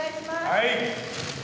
はい！